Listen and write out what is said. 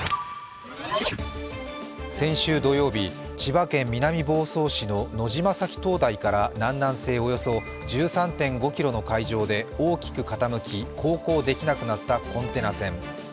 先週土曜日、千葉県南房総市の野島埼灯台から南南西およそ１３．５ｋｍの海上で大きく傾き航行できなくなったコンテナ船。